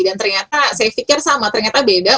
dan ternyata saya pikir sama ternyata beda